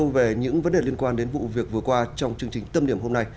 về những vấn đề liên quan đến vụ việc vừa qua trong chương trình tâm điểm hôm nay